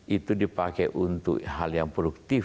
itu dipakai untuk hal yang produktif